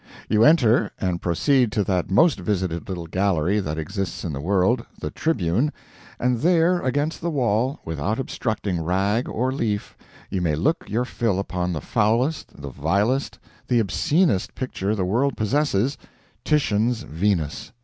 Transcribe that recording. You enter, and proceed to that most visited little gallery that exists in the world the Tribune and there, against the wall, without obstructing rag or leaf, you may look your fill upon the foulest, the vilest, the obscenest picture the world possesses Titian's Venus.